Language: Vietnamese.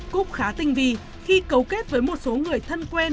cúc khá tinh vi khi cấu kết với một số người thân quen